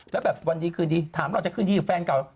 แล้วแบบวันนี้คืนนี้ถามเราจะขึ้นที่แฟนเก่า